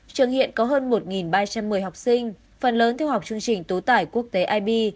trường hiện có hơn một ba trăm một mươi học sinh phần lớn theo học chương trình tối tải quốc tế ib